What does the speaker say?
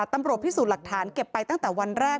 ตำรวจพิสูจน์หลักฐานเก็บไปตั้งแต่วันแรก